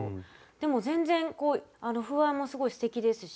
でも全然風合いもすごいすてきですし。